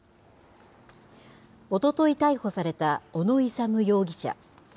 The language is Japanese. おととい逮捕された小野勇容疑者。